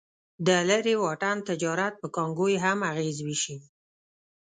د لرې واټن تجارت پر کانګو یې هم اغېز وښند.